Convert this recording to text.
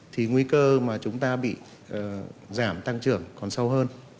thì nguy cơ mà chúng ta bị giảm tăng trưởng còn sâu hơn